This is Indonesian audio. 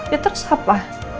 ya terus apa